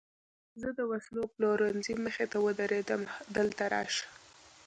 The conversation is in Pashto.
زه د وسلو پلورنځۍ مخې ته ودرېدم، دلته راشه.